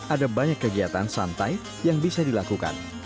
ada banyak kegiatan santai yang bisa dilakukan